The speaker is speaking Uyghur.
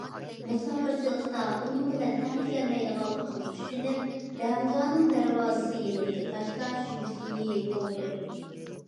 مۇساپىرچىلىقتا ئۇنىڭ بىلەن تەڭ كېلەلمەيدىغانلىقىمنى چۈشىنىپ، دەڭجانىڭ دەرۋازىسى يېنىدىكى تاشتا شۈمشىيىپ ئولتۇردۇم.